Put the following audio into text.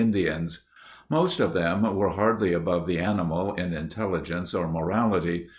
220.) Most of them were hardly above the animal in intelligence or morality.